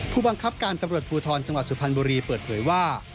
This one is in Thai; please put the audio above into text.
ผู้บังคับการตำรวจภูทรจังหวัดสุพรรณบุรีเปิดเผยว่า